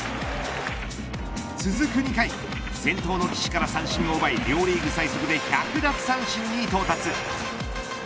２回先頭の岸から三振を奪い両リーグ最速で１００奪三振に到達。